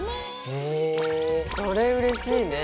へえそれうれしいね。